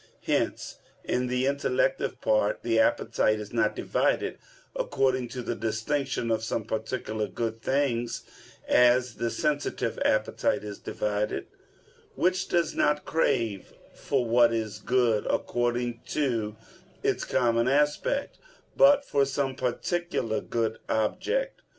Hence, in the intellective part, the appetite is not divided according to the distinction of some particular good things, as the sensitive appetite is divided, which does not crave for what is good according to its common aspect, but for some particular good object.